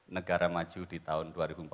negara maju di tahun dua ribu empat puluh lima